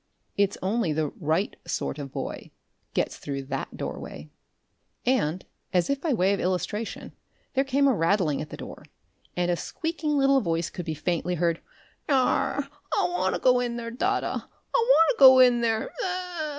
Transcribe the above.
"It's only the Right Sort of Boy gets through that doorway." And, as if by way of illustration, there came a rattling at the door, and a squeaking little voice could be faintly heard. "Nyar! I WARN 'a go in there, dadda, I WARN 'a go in there.